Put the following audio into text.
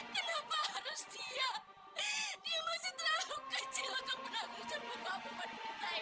kenapa harus dia dia masih terlalu kecil akan menangis terbabak berhenti